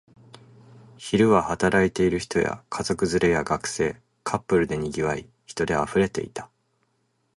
昼は働いている人や、家族連れや学生、カップルで賑わい、人で溢れていた